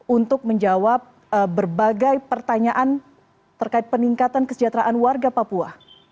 untuk menjawab berbagai pertanyaan terkait peningkatan kesejahteraan warga papua